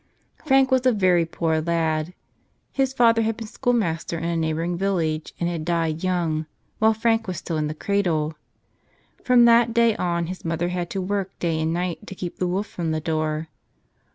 Frank was a very poor lad. His father had been school master in a neighboring village and had died young, while Frank was still in the cradle. From that day on his mother had to work day and night to keep the wolf from the door.